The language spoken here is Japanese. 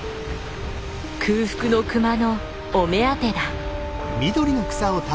空腹のクマのお目当てだ。